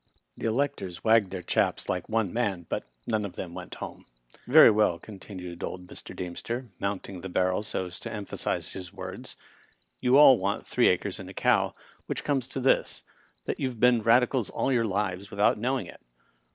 The electors wagged their chaps like one man, but none of them went home. " Very well," continued old Mr. Deemster, mounting the barrel so as to emphasize his words, ^^you all want three acres and a cow, which comes to this, that you've Digitized by VjOOQIC 168 RILEY, M.P, been Radicals all your lives without knowing it.